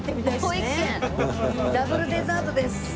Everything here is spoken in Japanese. ダブルデザートです。